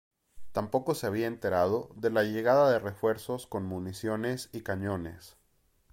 Tampoco se había enterado de la llegada de refuerzos con municiones y cañones.